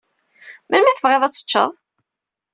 Melmi i tebɣiḍ ad teččeḍ?